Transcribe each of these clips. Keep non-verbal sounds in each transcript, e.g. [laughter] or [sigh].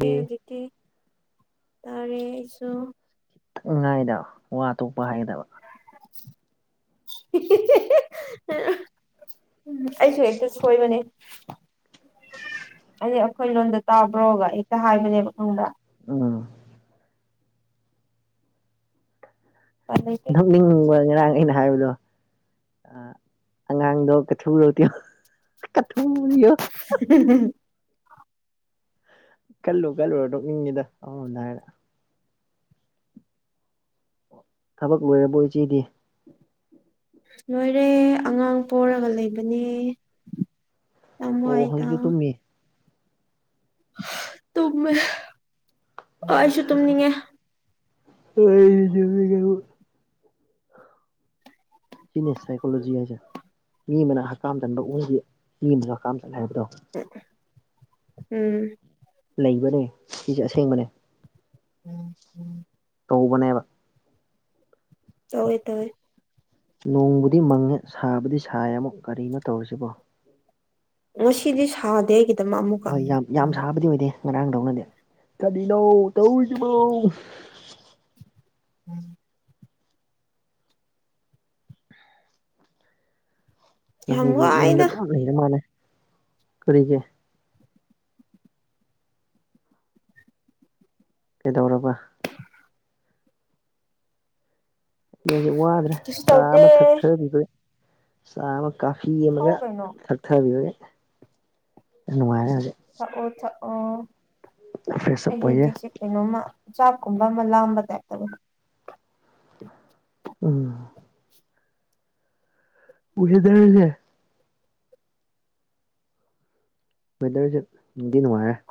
ꯑꯩ ꯍꯧꯖꯤꯛꯇꯤ ꯇꯥꯔꯦ ꯑꯩꯁꯨ ꯊꯛꯉꯥꯏꯗꯕ ꯋꯥ ꯇꯣꯛꯄ ꯍꯥꯏꯗꯕ [unintelligible] ꯎꯝ ꯑꯩꯁꯨ ꯍꯦꯛꯇ ꯁꯣꯏꯕꯅꯦ ꯑꯩꯈꯣꯏ ꯂꯣꯟꯗ ꯇꯥꯕ꯭ꯔꯣꯒ ꯍꯦꯛꯇ ꯍꯥꯏꯕꯅꯦꯕ ꯈꯪꯕ꯭ꯔ ꯑꯝ ꯎꯄꯥꯏ ꯂꯩꯇꯦ ꯅ‌ꯣꯛꯅꯤꯡꯕ ꯋꯥꯔꯤ ꯍꯥꯏ ꯑꯩꯅ ꯍꯥꯏꯕꯗꯣ ꯑꯉꯥꯡꯗꯣ ꯀꯩꯊꯔꯣꯇꯤꯌꯣ ꯀꯊꯨꯝꯅꯤꯑꯣ ꯈꯜꯂꯨ ꯈꯜꯂꯨꯔ ꯅ‌ꯣꯛꯅꯤꯡꯉꯤꯗ ꯑꯃꯥꯔ‌ꯣꯝꯗ ꯍꯥꯏꯔ ꯊꯕꯛ ꯂꯣꯏꯔꯕꯣ ꯏꯆꯦꯗꯤ ꯂꯣꯏꯔꯦ ꯑꯉꯥꯡ ꯄ‌ꯣꯔꯒ ꯂꯩꯕꯅꯦ ꯌꯥꯝ ꯑꯣ ꯍꯧꯛꯁꯨ ꯇꯨꯝꯃꯤ ꯇꯨꯝꯃ‌ꯦ ꯑꯩꯁꯨ ꯇꯨꯝꯅꯤꯉ‌ꯦ ꯑꯩꯖꯨ ꯇꯨꯝꯅꯤꯡꯉꯤꯉ‌ꯣ ꯁꯤꯅꯦꯁ ꯁꯥꯏꯀꯣꯂꯣꯖꯤ ꯍꯥꯏꯁꯦ ꯃꯤ ꯑꯃꯅ ꯍꯛꯀꯥꯝꯗꯟꯕ ꯎꯒꯤ ꯃꯤ ꯑꯃꯅ ꯍꯛꯀꯥꯝ ꯍꯥꯏꯕꯗꯣ ꯎꯝ ꯂꯩꯕꯅꯦ ꯁꯤꯁꯦ ꯑꯁꯦꯡꯕꯅꯦ ꯎꯝ ꯎꯝ ꯀꯧꯕꯅꯦꯕ ꯇꯧꯋꯦ ꯇꯧꯋꯦ ꯅꯣꯡꯕꯨꯗꯤ ꯃꯪꯉꯦ ꯁꯥꯕꯨꯗꯤ ꯁꯥꯏꯌꯦ ꯑꯃꯨꯛ ꯀꯔꯤꯅꯣ ꯇꯧꯔꯤꯁꯤꯕꯣ ꯑꯣ ꯁꯤꯗꯤ ꯁꯥꯗꯦ ꯑꯩꯒꯤꯗꯃꯛ ꯑꯃꯨꯛꯀ ꯍꯣꯏ ꯌꯥꯝ ꯌꯥꯝ ꯁꯥꯕꯗꯤ ꯑꯣꯏꯗꯦ ꯈ ꯑꯥꯡꯗꯧꯅꯗꯤꯦ ꯆꯅꯧ ꯇꯧꯕꯧ ꯎꯝ ꯌꯥꯝ ꯉꯁꯤꯗꯤ ꯌꯨꯝꯗ ꯋꯥꯏꯗ ꯑꯗꯨꯝ ꯂꯩꯔ ꯃꯥꯜꯂꯦ ꯀꯔꯤꯒꯦ ꯀꯩꯗꯧꯔꯕ ꯌꯦꯟꯁ ꯋꯥꯗ꯭ꯔꯦ ꯀꯩꯁꯨ ꯇꯧꯗꯦ ꯆꯥꯃ ꯊꯛꯊꯕꯤꯕꯩ ꯆꯥꯃ ꯀꯥꯐꯤ ꯊꯧ ꯑꯃꯃꯒ ꯀꯩꯅꯣ ꯊꯛꯊꯕꯤꯕꯒꯤ ꯌꯥꯝ ꯅꯨꯡꯉꯥꯏꯔꯦ ꯍꯧꯖꯤ ꯐ꯭ꯔꯦꯁ ꯑꯩ ꯑꯞ ꯑꯣꯏꯔꯦ ꯍꯧꯖꯤꯛꯁꯦ ꯀꯩꯅꯣꯃ ꯆꯥꯛꯀꯨꯝꯕ ꯑꯃ ꯂꯥꯡꯝꯕ ꯇꯥꯏꯞꯇꯕꯨ ꯎꯝ ꯎꯁꯦꯗꯔꯁꯦ ꯃꯗꯁ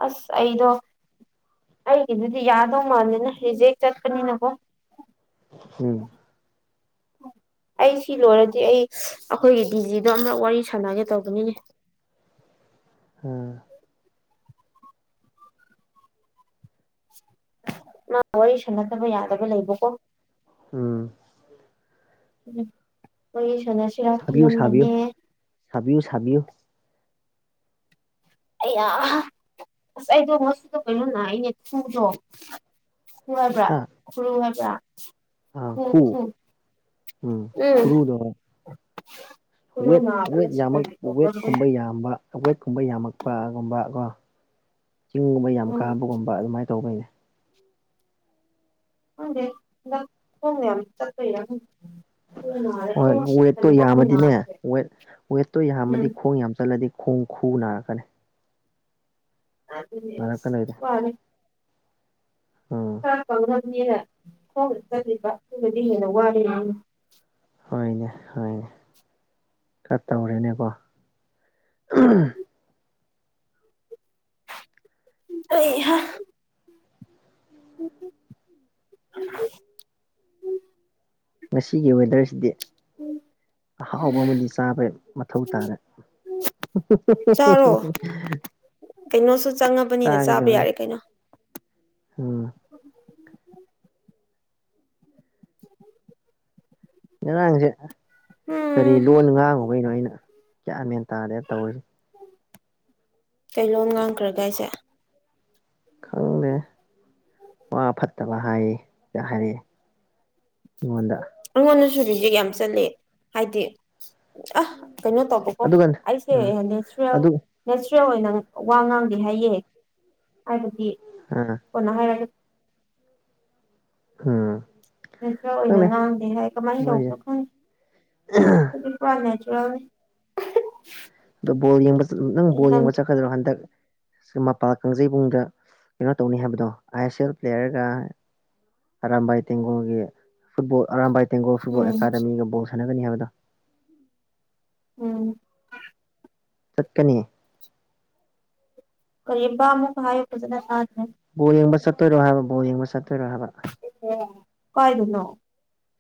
ꯑꯁ ꯑꯩꯗꯣ ꯑꯩꯒꯤꯗꯨꯗꯤ ꯌꯥꯗꯧ ꯃꯥꯜꯜꯂꯤꯅ ꯍꯧꯖ ꯍꯦꯛ ꯆꯠꯄꯅꯤꯅꯀꯣ ꯎꯝ ꯑꯩ ꯁꯤ ꯂꯣꯏꯔꯗꯤ ꯑꯩ ꯑꯩꯈꯣꯏꯒꯤ ꯗꯤꯖꯤꯗꯣ ꯑꯃꯝꯛ ꯋꯥꯔꯤ ꯁꯥꯟꯅꯒꯦ ꯇꯧꯕꯅꯤꯅꯦ ꯎꯝ ꯃꯥ ꯋꯥꯔꯤ ꯁꯥꯟꯅꯗꯕ ꯌꯥꯗꯕ ꯂꯩꯕꯀꯣ ꯎꯝ ꯎꯝ ꯑꯩꯣꯏ ꯅꯁꯤꯔ ꯁꯥꯕꯤꯌꯨ ꯁꯥꯕꯤꯌꯨ ꯈꯜꯂꯝꯕꯅꯦ ꯁꯥꯕꯤꯌꯨ ꯁꯥꯕꯤꯌꯨ ꯑꯩ ꯑ ꯑꯁ ꯑꯩꯗꯣ ꯃꯆꯨꯗ ꯀꯩꯅꯣ ꯅ ꯑꯩꯅꯦ ꯊꯣꯡꯗ꯭ꯔꯣ ꯈꯕ꯭ꯔ ꯍꯥ ꯈꯔꯨ ꯍꯥꯏꯕ꯭ꯔ ꯑꯥ ꯎꯝ ꯈꯨ ꯎꯝ ꯎꯝ ꯈꯨꯔꯨ ꯋꯦꯠ ꯅꯥꯕ ꯋꯦꯠ ꯉꯁꯤ ꯌꯥꯝꯃꯛ ꯀꯩꯒꯤ ꯇꯧꯕ꯭ꯔꯥ ꯈꯪꯗꯦ ꯋꯦꯠꯀꯨꯝꯕ ꯌꯥꯝꯕ ꯋꯦꯠꯀꯨꯝꯕ ꯌꯥꯝꯃꯛ ꯄꯥꯒꯨꯝꯕ ꯀꯣ ꯆꯤꯡꯒꯨꯝꯕ ꯌꯥꯝ ꯎꯝ ꯀꯥꯕꯒꯨꯝꯕ ꯑꯗꯨꯃꯥꯏꯅ ꯇꯧꯕꯩꯅꯦ ꯍ ꯍ ꯆꯄꯔ ꯍꯣꯏ ꯋꯦꯠꯇꯣ ꯈꯨꯎ ꯌꯥꯝꯃꯗꯤꯅꯦ ꯅꯥꯔꯤꯁꯦ ꯋꯦ ꯋꯦꯠꯇꯣ ꯌꯥꯝꯃꯗꯤ ꯎꯝ ꯈꯣꯡ ꯌꯥꯝ ꯆꯠꯂꯗꯤ ꯈꯣꯡ ꯈꯨ ꯅꯥꯔꯛꯀꯅꯤ ꯑꯗꯨ ꯅꯥꯔꯛꯀꯅꯤꯗ ꯐꯔꯦ ꯎꯝ ꯀꯥꯛꯄ ꯉꯝꯅꯦꯦꯅ ꯈꯣꯡꯅ ꯆꯠꯂꯤꯕ ꯑꯗꯨꯗꯗꯤ ꯍꯦꯟꯅ ꯋꯥꯂꯤ ꯍꯅꯦ ꯍꯅꯦ ꯈꯔ ꯇꯧꯔꯦꯅꯦꯀꯣ ꯑꯩ ꯎ ꯎꯝ ꯎꯝ ꯉꯁꯤꯒꯤ ꯋꯦꯗꯔꯁꯤꯗꯤ ꯎꯝ ꯑꯍꯥꯎꯕ ꯑꯃꯗꯤ ꯆꯥꯕ ꯃꯊꯧ ꯇꯥꯔꯦ [inaudible] ꯆꯥꯔꯣ ꯀꯩꯅꯣꯁꯨ ꯆꯪꯉꯕꯅꯤꯅ ꯆꯥꯕ ꯆꯥꯒꯗꯕꯅꯤ ꯌꯥꯔꯦ ꯀꯩꯅꯣ ꯎꯝ ꯌꯦꯟꯅꯥꯡꯁꯦ ꯀꯔꯤ ꯎꯝ ꯂꯣꯟ ꯉꯥꯡꯉꯨꯕ ꯀꯩꯅꯣ ꯑꯩꯅ ꯀꯌꯥ ꯃꯦꯟ ꯇꯥꯗꯦ ꯇꯧꯔꯤꯁꯤ ꯀꯂꯣꯝ ꯉꯥꯡꯈ꯭ꯔꯒ ꯑꯩꯁꯦ ꯈꯪꯗꯦ ꯋꯥ ꯐꯠꯇ ꯋꯥ ꯍꯥꯏꯌꯦ ꯆ ꯍꯥꯏꯔꯛꯑꯦ ꯑꯩꯉꯣꯟꯗ ꯑꯩꯉꯣꯟꯗꯁꯨ ꯖꯤꯛ ꯌꯥꯝ ꯆꯠꯂ ꯍꯥꯏꯗꯤ ꯑ ꯀꯩꯅꯣ ꯇꯧꯕꯀꯣ ꯑꯗꯨꯒ ꯑꯩꯁꯦ ꯑꯥ ꯅꯦꯆꯔꯦꯜ ꯑꯗꯨ ꯈꯦ ꯑꯣꯏꯅ ꯋꯥ ꯉꯥꯡꯗꯦ ꯍꯥꯏꯌꯦꯦ ꯍꯥꯏꯕꯗꯤ ꯑꯥ ꯀꯅ ꯍꯥꯏꯔꯒ ꯍꯥꯝ ꯅꯦꯆꯔ ꯑꯣꯏꯅ ꯉꯥꯡꯗꯦ ꯍꯥꯏ ꯀꯃꯥꯏꯅ ꯃꯣꯏꯁꯦ ꯇꯧꯕꯅꯣ ꯈꯪꯉꯦ ꯀ ꯑꯗꯣ ꯕꯣꯔ ꯌꯦꯡꯕ ꯅꯪ ꯕꯣꯔ ꯌꯦꯡꯕ ꯆꯠꯀꯗ꯭ꯔꯣ ꯍꯟꯗꯛ ꯁꯤ ꯃꯄꯥꯜ ꯀꯥꯡꯖꯩꯕꯨꯡꯗ ꯀꯩꯅꯣ ꯇꯧꯅꯤ ꯍꯥꯏꯕꯗꯣ ꯑꯥꯏ ꯑꯦꯁ ꯑꯦꯜ ꯄ꯭ꯂꯦꯌꯔꯒ ꯑꯔꯝꯕꯥꯏ ꯇꯦꯡꯒꯨꯒꯤ ꯐꯨꯠꯕꯣꯜꯔꯝꯕꯥꯏ ꯇꯦꯡꯒꯣꯜ ꯁꯨꯕꯨ ꯎꯝ ꯑꯦꯀꯥꯗꯃꯤꯒ ꯕꯣꯜ ꯁꯥꯟꯅꯒꯅꯤ ꯍꯥꯏꯕꯗꯣ ꯎꯝ ꯆꯠꯀꯅꯤ ꯀꯔꯤꯕꯥ ꯑꯃꯨ ꯍꯥꯏ ꯍꯥꯏꯗꯅ ꯁꯥꯖ ꯣꯗꯤꯡꯕ ꯁꯔꯣꯏꯔꯣꯍꯕꯣꯡꯕ ꯁ ꯀꯣꯏꯗꯨꯅꯣ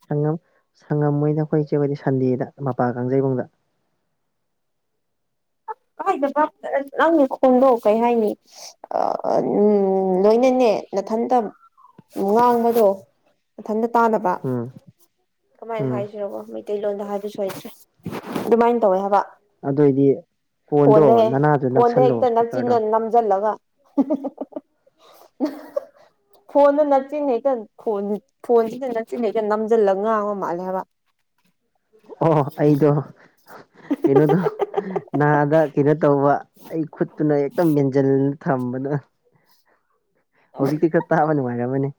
ꯁꯉꯝ ꯁꯪꯉꯝꯣꯏ ꯑꯣꯏꯅ ꯑꯩꯈꯣꯏꯁꯦ ꯑꯣꯏꯗꯤ ꯁꯟꯗꯦꯗ ꯃꯄꯥ ꯀꯥꯡꯖꯩꯕꯨꯡꯗ [unintelligible] ꯪ ꯈꯣꯡꯗꯣ ꯀꯩ ꯍꯥꯏꯅꯤ ꯂꯣꯏꯅꯅꯦ ꯃꯊꯟꯇ ꯉꯥꯡꯕꯗꯣ ꯃꯊꯟꯇ ꯇꯥꯟꯅꯕ ꯎꯝ ꯀꯃꯥꯏꯅ ꯎꯝ ꯍꯥꯏꯁꯤꯔꯕꯣ ꯃꯩꯇꯩꯂꯣꯟꯗ ꯍꯥꯏꯕꯁꯨꯦ ꯑꯗꯨꯃꯥꯏꯅ ꯇꯧꯋꯦ ꯍꯥꯏꯕ ꯑꯗꯨꯑꯣꯏꯗꯤ ꯐꯣꯟꯗꯣ ꯐꯣꯟꯗ ꯅꯅꯥꯗꯨ ꯐꯣꯟꯗ ꯅꯛꯁꯜꯂꯣ ꯍꯦꯛꯇ ꯏꯁꯄꯤꯀꯔꯗꯣ ꯅꯞꯆꯤꯟꯅ ꯎ ꯅꯝꯁꯤꯜꯂꯒ ꯐꯣꯟꯗ ꯅꯠꯆꯤ ꯍꯦꯛꯇꯣꯟ ꯐꯣꯟꯁꯤꯗ ꯅꯠꯆꯤ ꯍꯦꯛꯇ ꯅꯝꯁꯤꯜꯂꯒ ꯉꯥꯡꯉ ꯃꯥꯜꯂꯦ ꯍꯥꯏꯕ ꯑꯣ ꯑꯩꯗꯣ ꯀꯩꯅꯣꯗꯣ ꯍꯥꯗ ꯀꯩꯅꯣ ꯇꯧꯕ ꯑꯩ ꯈꯨꯠꯇꯨꯅ ꯍꯦꯛꯇꯝ ꯃꯦꯟꯁꯤꯟ ꯊꯝꯕꯗꯣ ꯍꯧꯖꯤꯛꯇꯤ ꯈꯔ ꯇꯥꯕ ꯅꯨꯡꯉꯥꯏꯔꯝꯃꯅꯦ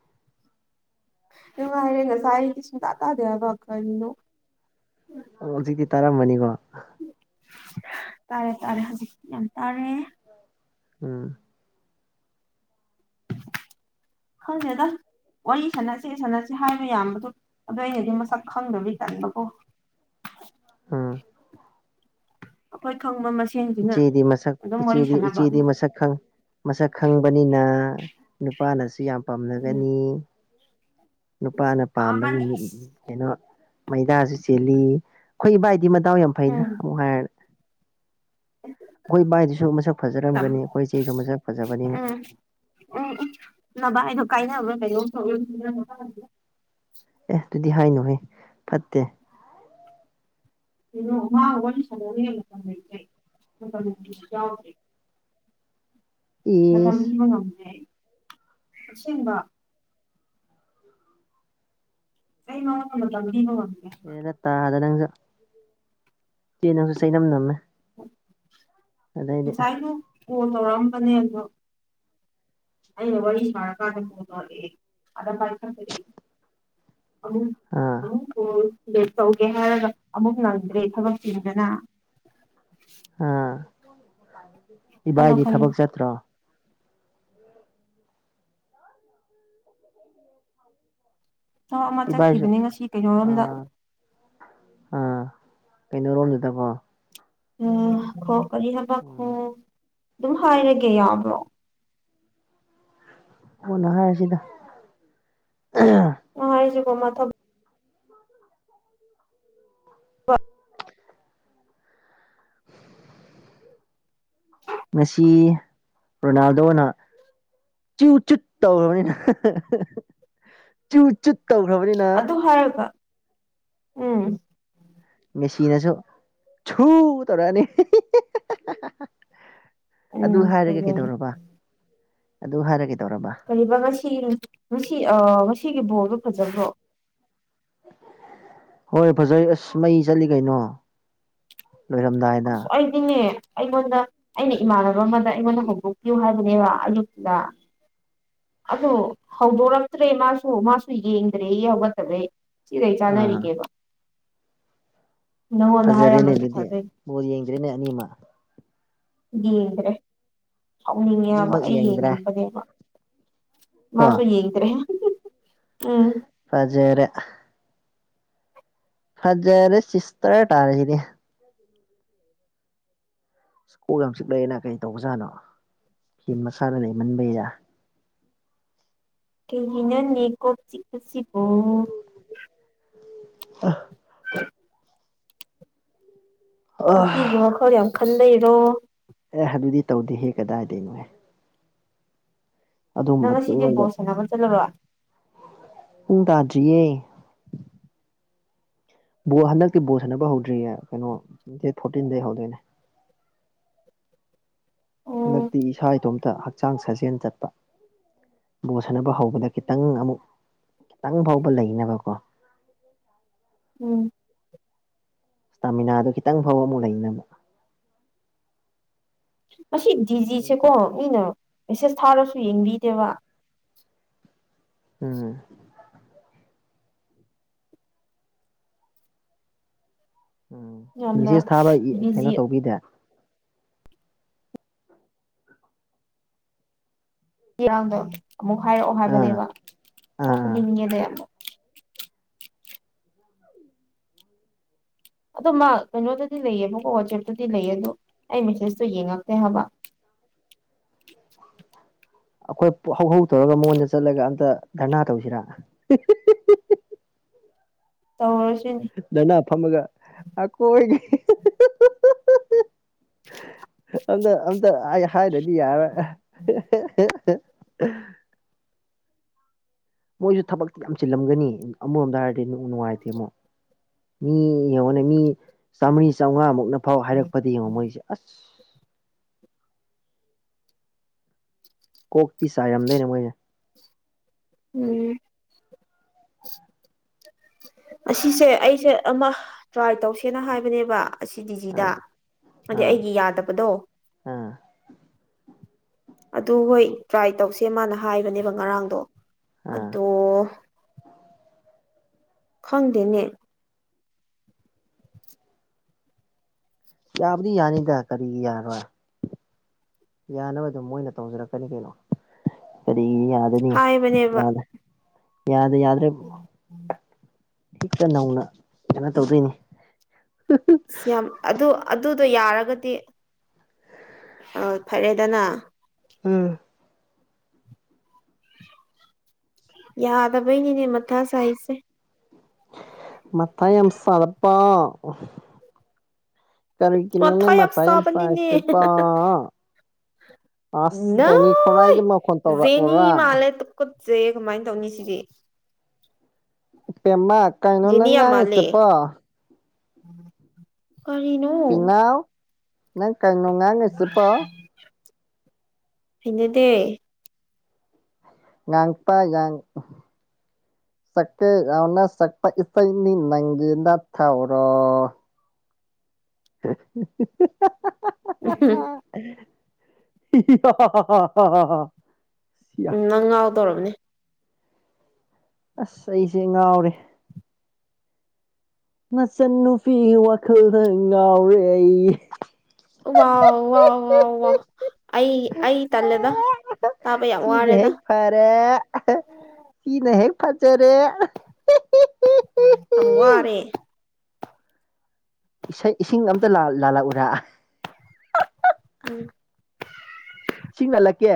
ꯉꯥꯏꯔꯦꯅ ꯁꯥꯏ ꯀꯁꯅ ꯇꯥꯛꯇꯥꯗꯦ ꯌꯥꯕ ꯀꯅꯤꯅꯣ ꯑꯣ ꯍꯧꯖꯤꯛꯇꯤ ꯇꯥꯔꯝꯃꯅꯤꯀꯣ ꯇꯥꯔꯦ ꯇꯥꯔꯦ ꯍꯧꯖꯤꯛꯇꯤ ꯌꯥꯝ ꯇꯥꯔꯦ ꯎꯝ [unintelligible] ꯍꯅꯦꯗ ꯋꯥꯔꯤ ꯁꯥꯟꯅꯁꯤ ꯁꯥꯟꯅꯁꯤ ꯍꯥꯏꯕ ꯌꯥꯝꯕꯗꯨ ꯑꯗꯨꯗ ꯑꯩꯅꯗꯤ ꯃꯁꯛ ꯈꯪꯗꯕꯤꯩ ꯇꯠꯕꯀꯣ ꯎꯝ ꯑꯩꯈꯣꯏ ꯈꯪꯕ ꯏ ꯃꯁꯦꯟꯁꯤꯅ ꯆꯤꯗꯤ ꯃꯁꯛ ꯑꯗꯨꯝ ꯋꯥꯔꯤ ꯏꯆꯤꯗꯤ ꯏ ꯁꯥꯟꯅꯕ ꯎꯆꯤꯗꯤ ꯃꯁꯛ ꯈꯪ ꯃꯁꯛ ꯈꯪꯕꯅꯤꯅ ꯅꯨꯄꯥꯅꯁꯨ ꯌꯥꯝ ꯎꯝ ꯄꯥꯝꯅꯒꯅꯤ ꯅꯨꯄꯥꯅ ꯄꯥꯝꯕꯒꯤ ꯄꯥꯝꯃꯅꯤ ꯃꯤꯠ ꯀꯩꯅꯣ ꯃꯩꯗꯥꯁꯨ ꯆꯦꯜꯂꯤ ꯑꯩꯈꯣꯏ ꯏꯕꯥꯏ ꯑꯗꯨꯗꯤ ꯃꯇꯎ ꯌꯥꯝ ꯐꯩꯅ ꯎꯝ ꯑꯃꯨꯛ ꯍꯥꯏꯔꯅ ꯑꯩꯈꯣꯏ ꯕꯥꯏꯗꯨꯁꯨ ꯃꯁꯛ ꯎꯝ ꯐꯖꯔꯝꯒꯅꯤ ꯑꯩꯈꯣꯏ ꯏꯆꯦꯁꯨ ꯃꯁꯛ ꯐꯖꯕꯅꯤꯅ ꯎꯝ ꯎꯝ ꯅꯚ ꯑꯩꯗꯣ ꯀꯥꯏꯅꯕ꯭ꯔ ꯑꯦꯁ ꯑꯗꯨꯗꯤ ꯍꯥꯏꯅꯨꯍ ꯐꯠꯇꯦ ꯗ꯭ꯔ ꯃꯇꯝ ꯏꯁ ꯄꯤꯕ ꯉꯝꯃꯦꯦ ꯑꯁꯦꯡꯕ ꯁ ꯅꯣ ꯇꯕꯤ ꯅꯣ ꯑꯦꯗꯠꯇ ꯑꯗ ꯅꯖ ꯁꯤ ꯅꯪꯁꯨ ꯁꯩꯅ ꯅꯝꯃꯦ [unintelligible] ꯑꯗꯥꯏꯗꯤ ꯉꯁꯥꯏꯁꯨ ꯀꯣꯜ ꯇꯧꯔꯛꯑꯝꯕꯅꯦ ꯑꯗꯣ ꯑ ꯋꯥꯔꯤ ꯃ ꯀꯥꯗꯗꯔꯦ ꯑ ꯄꯔꯇ ꯐꯔꯤ ꯑ ꯑꯥ ꯑ ꯀꯣ ꯂꯦꯠ ꯇꯧꯒꯦ ꯍꯥꯏꯔꯒ ꯑꯃꯨꯛ ꯅꯪꯗ꯭ꯔꯦ ꯊꯕꯛ ꯆꯤꯗꯅ ꯑꯥ ꯈꯜꯂꯣ ꯏꯕꯥꯏꯗꯤ ꯈꯜꯂꯣ ꯊꯕꯛ ꯆꯠꯇ꯭ꯔꯣ ꯊꯕꯛ ꯑꯃ ꯏꯕꯥꯏꯁꯨ ꯆꯠꯈꯤꯕꯅꯤ ꯉꯁꯤ ꯀꯩꯅꯔꯣꯝꯗ ꯑ ꯀꯩꯅ ꯔꯣꯜ ꯆꯠꯇ ꯀꯣ ꯎꯝ ꯈꯣ ꯀꯔꯤ ꯍꯥꯏꯕꯈꯣ ꯑꯗꯨꯝ ꯍꯥꯏꯔꯒꯦ ꯌꯥꯕ꯭ꯔꯣ ꯍꯅꯥ ꯍꯥꯏ ꯁꯤꯗ ꯑꯉ ꯍꯥꯏꯁꯨꯀꯣꯃ ꯊ ꯉꯁꯤ ꯔꯣꯅꯥꯜꯗꯣꯅ ꯆꯨ ꯆꯨꯠ ꯇꯧꯔꯕꯅꯤꯅ ꯆꯨ ꯆꯨꯠ ꯇꯧꯈ꯭ꯔꯕꯅꯤꯅ ꯑꯗꯨ ꯍꯥꯏꯔꯒ ꯎꯝ ꯃꯦꯆꯤꯟꯅꯁꯨ ꯁꯨ ꯇꯧꯔꯛꯑꯅꯤ ꯑꯗꯨ ꯎꯝ ꯍꯥꯏꯔꯒꯦ ꯐꯖꯔꯦ ꯀꯩꯗꯧꯔꯕ ꯑꯗꯨ ꯍꯥꯏꯔꯒꯗꯤ ꯀ ꯉꯁꯤ ꯉꯁꯤ ꯑ ꯉꯁꯤꯒꯤ ꯕꯣꯔꯜꯗꯣ ꯐꯖꯕ꯭ꯔꯣ ꯍꯣꯏ ꯐꯖꯩ ꯑꯁ ꯃꯩ ꯆꯠꯂꯤ ꯀꯩꯅꯣ ꯂꯣꯏꯔꯝꯗꯥꯏꯗ ꯑꯋꯥꯗꯅꯦ ꯑꯩꯉꯣꯟꯗ ꯑꯩꯅ ꯏꯃꯥꯟꯅꯕ ꯑꯃꯗ ꯑꯩꯉꯣꯟꯗ ꯍꯧꯗꯣꯛꯄꯤꯌꯨ ꯍꯥꯏꯕꯅꯦꯕ ꯑꯌꯨꯛꯇꯨꯗ ꯑꯗꯨ ꯍꯧꯗꯣꯔꯛꯇ꯭ꯔꯦ ꯃꯥꯁꯨ ꯃꯥꯁꯨ ꯌꯦꯡꯗ꯭ꯔꯦ ꯍꯧꯒꯠꯇꯕ꯭ꯔꯦ ꯁꯤꯗ ꯑꯥ ꯆꯥꯟꯅꯔꯤꯒꯦꯀꯣ ꯐꯖꯔꯦꯅꯦ ꯍꯥꯏꯔꯝꯃꯁꯨ ꯑꯗꯨꯗꯤ ꯐꯗꯣꯏꯅꯦ ꯃ ꯌꯦꯡꯗ꯭ꯔꯦꯅꯦ ꯑꯅꯤꯃ ꯌꯦꯡꯗ꯭ꯔꯦ ꯍꯥꯎꯅꯤꯡꯉꯦꯕ ꯑꯅꯤꯃꯛ ꯑꯩ ꯌꯦꯡꯗ꯭ꯔꯦ ꯌꯦꯡꯅꯤꯡꯕꯅꯦꯕ ꯃꯥꯁ ꯌꯦꯡꯒꯗ꯭ꯔꯦ ꯄ ꯆꯩꯔ ꯐꯖꯔꯦ ꯆꯁꯇꯦ ꯇꯥꯔ ꯁꯤꯗꯤ ꯁ꯭ꯀꯣꯜ ꯌꯥꯝ ꯆꯤꯛꯂꯛꯑꯦꯅ ꯀꯩ ꯇꯧꯕꯖꯥꯠꯅꯣ ꯐꯤꯟ ꯃꯁꯥꯅ ꯂꯩꯃꯟꯕꯩꯗ ꯀꯅ ꯅ ꯀꯣꯞ ꯆꯤꯄꯁꯤꯕꯣ ꯑ ꯅꯨꯄꯤꯒꯤ ꯃꯈꯜ ꯌꯥꯝ ꯈꯟ ꯂꯩꯔꯣ ꯑꯦ ꯑꯗꯨꯗꯤ ꯇꯧꯗꯦꯍꯦ ꯀꯗꯥꯏꯗꯩꯅꯣꯍ ꯅꯪ ꯑꯗꯨꯒꯨꯝꯕꯁ ꯉꯁꯤꯗꯤ ꯑꯩꯉꯣꯟꯗ ꯕꯣꯜ ꯁꯥꯟꯅꯕ ꯆꯠꯂꯔꯣꯏ ꯄꯨꯡ ꯇ ꯁꯤꯏ ꯕꯣꯜ ꯍꯟꯗꯛꯀꯤ ꯕꯣ ꯁꯥꯟꯅꯕ ꯍꯧꯗ꯭ꯔꯤꯌꯦ ꯀꯩꯅꯣ ꯗꯦꯠ ꯐꯣꯔꯇꯤꯟꯗꯩ ꯍꯧꯗꯣꯏꯅꯦ [unintelligible] ꯑꯣ ꯍꯟꯗꯛꯇꯤ ꯏꯁꯥ ꯏꯇꯣꯝꯇ ꯍꯛꯆꯥꯡ ꯁꯥꯖꯦꯜ ꯆꯠꯄ ꯕꯣ ꯁꯅꯕ ꯍꯧꯕꯗ ꯈꯤꯇꯪ ꯑꯃꯨꯛ ꯈꯤꯇꯪ ꯐꯥꯎꯕ ꯂꯩꯅꯕꯀꯣ ꯎꯝ ꯏꯁꯇꯥꯃꯤꯅꯥꯗꯨ ꯈꯤꯇꯪ ꯐꯥꯎꯕ ꯑꯃꯨꯛ ꯂꯩꯅ ꯑꯃꯨꯛ ꯃꯁꯤ ꯤꯖꯤꯁꯦ ꯀꯣ ꯏꯅ ꯃꯦꯁꯦꯁ ꯊꯥꯔꯁꯨ ꯌꯦꯡꯕꯤꯗꯦꯕ ꯎꯝ ꯎꯝ ꯌꯥꯝꯅ ꯃꯤꯦꯁꯦꯁ ꯊꯥꯕ ꯀꯩꯅꯣ ꯕꯤꯖꯤ ꯇꯧꯕꯤꯗꯦ ꯏꯔꯥꯡꯗꯣ ꯑꯃꯨꯛ ꯍꯥꯏꯔꯛꯑꯣ ꯑꯥ ꯑꯥ ꯍꯥꯏꯕꯅꯦꯕ ꯑꯥ ꯍꯅꯤꯡꯉꯦꯗ ꯑꯗꯣ ꯃꯥ ꯀꯩꯅꯣꯗꯗꯤ ꯂꯩꯌꯦꯕꯀꯣ ꯋꯥꯆꯦꯞꯇꯗꯤ ꯂꯩꯌꯦ ꯑꯗꯣ ꯑꯩ ꯃꯦꯁꯦꯁꯇꯣ ꯌꯦꯡꯉꯛꯇꯦ ꯍꯥꯏꯕ [unintelligible] ꯑꯩꯈꯣꯏ ꯍꯧꯍꯧ ꯇꯧꯔꯒ ꯃꯉꯣꯟꯗ ꯆꯠꯂꯒ ꯑꯝꯇ ꯙꯔꯅꯥ ꯇꯧꯁꯤꯔꯥ ꯇ ꯅꯥ ꯐꯝꯃꯒ ꯑꯀꯣꯏꯒꯤ ꯑꯝꯇ ꯑꯝꯇ ꯑꯩ ꯍꯥꯏꯔꯗꯤ ꯌꯥꯔꯣꯏ [unintelligible] ꯃꯣꯏꯁꯨ ꯊꯕꯛꯇꯤ ꯌꯥꯝ ꯆꯤꯜꯂꯝꯒꯅꯤ ꯑꯃꯔꯣꯝꯗ ꯍꯥꯏꯔꯗꯤꯅꯨꯡ ꯅꯨꯡꯉꯥꯏꯇꯦ ꯑꯃꯨꯛ ꯃꯤ ꯌꯦꯡꯉꯣꯅꯦ ꯃꯤ ꯆꯥꯝꯃꯔꯤ ꯆꯥꯝꯃꯉꯥꯃꯨꯛꯅ ꯐꯥꯎ ꯍꯥꯏꯔꯛꯄꯗ ꯌꯦꯡꯉꯣ ꯃꯣꯏꯁꯦ ꯑꯁ ꯀꯣꯛꯇꯤ ꯆꯥꯏꯔꯝꯗꯣꯏꯅꯦ ꯃꯣꯏꯅꯦ ꯎꯝ ꯑꯁꯤꯁꯦ ꯑꯩꯁꯦ ꯑꯃ ꯇ꯭ꯔꯥꯏ ꯇꯧꯁꯦꯅ ꯍꯥꯏꯕꯅꯦꯕ ꯑꯁꯤꯗꯤ ꯁꯤꯗ ꯑꯥ ꯍꯥꯏꯗꯤ ꯑꯥ ꯑꯩꯒꯤ ꯌꯥꯗꯕꯗꯣ ꯑꯥ ꯑꯗꯨ ꯍꯣꯏ ꯇ꯭ꯔꯥꯏ ꯇꯧꯁꯦ ꯃꯥꯅ ꯍꯥꯏꯕꯅꯦꯕ ꯉꯔꯥꯡꯗꯣ ꯑꯥ ꯑꯗꯣ ꯈꯪꯗꯅꯦ ꯌꯥꯕꯨꯗꯤ ꯌꯥꯅꯤꯗ ꯀꯔꯤ ꯌꯥꯔꯣꯏ ꯌꯥꯅꯕ ꯑꯗꯨꯝ ꯃꯣꯏꯅ ꯇꯧꯖꯔꯛꯀꯅꯤ ꯀꯩꯅꯣ ꯗꯤ ꯌꯥꯗꯅꯤ ꯍꯥꯏꯕꯅꯦꯕ ꯌꯥꯗ ꯌꯥꯗ ꯌꯥꯗ꯭ꯔꯦ ꯍꯤꯛꯇ ꯅꯧꯅ ꯀꯩꯅꯣ ꯇꯧꯗꯣꯏꯅꯤ ꯁ꯭ꯝ ꯑꯗꯨ ꯑꯗꯨꯗꯣ ꯌꯥꯔꯒꯗꯤ ꯑ ꯐꯔꯦꯗꯅ ꯎꯝ ꯌꯥꯗꯕꯩ ꯌꯦꯅꯦ ꯃꯊ ꯁꯥꯏꯁꯦ ꯃꯠꯇꯥꯏꯦꯝꯁꯂꯄꯥ ꯀꯔꯤ ꯀꯅ ꯃ ꯃꯊꯥ ꯃꯇꯝꯥꯏ ꯌꯥꯝ ꯁꯥꯕꯅꯤꯅꯦ ꯁꯥꯏꯁꯤꯄꯥ ꯑꯁ ꯗꯥꯩꯅꯤ ꯅꯣꯏ ꯈꯨꯔꯥꯏꯒꯤ ꯃꯈꯣꯟ ꯇꯧꯔꯛꯎꯔꯥ ꯠ ꯆꯦ ꯀꯃꯥꯏꯅ ꯇꯧꯅꯤ ꯁꯤꯗꯤ ꯄꯦꯃ ꯀꯥꯏꯅꯣ ꯖꯦꯅꯤ ꯌꯥꯝ ꯅꯪꯉꯅꯤꯁꯦ ꯃꯥꯜꯂꯦ ꯄ ꯀꯔꯤꯅꯣ ꯄꯤꯅꯥꯎ ꯅꯪ ꯀꯩꯅꯩꯅꯅꯨꯡ ꯉꯥꯡ ꯉꯩꯁꯤ ꯄ ꯊꯅꯗꯦ ꯉꯪꯄꯥ ꯉꯪ ꯁꯛꯀꯦꯅ ꯁꯛꯄ ꯏꯁꯩꯅꯤ ꯅꯪꯒꯤꯦꯗ ꯊꯥꯎꯔꯣ [unintelligible] ꯎ ꯍꯥ ꯎꯝ ꯅꯪ ꯉꯥꯎꯗꯧꯔꯕꯅꯦ ꯑꯁ ꯑꯩꯁꯦ ꯉꯥꯎꯔꯦ ꯃꯆꯟꯟꯅꯨꯄꯤꯒꯤ ꯋꯥꯈꯜꯗ ꯉꯥꯎꯔꯦ ꯑꯩ ꯋꯥꯎ ꯋꯥꯎ ꯋꯥꯎ ꯋꯥꯎ ꯑꯩ ꯑꯩ ꯇꯂꯦꯗ ꯁꯤꯅ ꯍꯦꯛ ꯐꯔꯦ ꯁꯤꯅ ꯍꯦꯛ ꯐꯖꯔꯦ ꯌꯥꯝ ꯋꯥꯔꯦ ꯏꯁꯩ ꯏꯁꯤꯡ ꯑꯝꯇ ꯂꯥꯜꯂꯛꯎꯔ [inaudible] ꯁꯤꯤꯡꯅ ꯂ ꯀꯦ